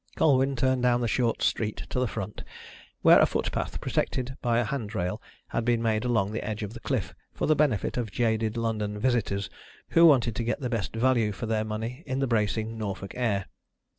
Colwyn turned down the short street to the front, where a footpath protected by a hand rail had been made along the edge of the cliff for the benefit of jaded London visitors who wanted to get the best value for their money in the bracing Norfolk air.